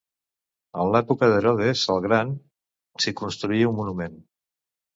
En l'època d'Herodes el Gran s'hi construí un monument.